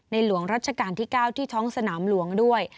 หลวงรัชกาลที่๙ที่ท้องสนามหลวงด้วย